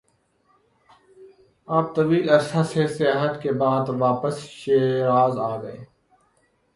آپ طویل عرصہ سے سیاحت کے بعدواپس شیراز آگئے-